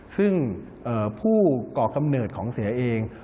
ซึ่งผู้ก่อกำเนิดของเสียเอง